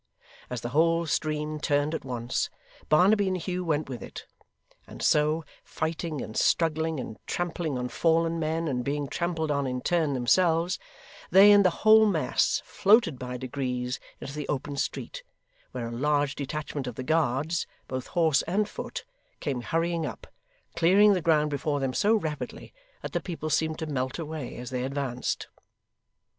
As the whole stream turned at once, Barnaby and Hugh went with it: and so, fighting and struggling and trampling on fallen men and being trampled on in turn themselves, they and the whole mass floated by degrees into the open street, where a large detachment of the Guards, both horse and foot, came hurrying up; clearing the ground before them so rapidly that the people seemed to melt away as they advanced.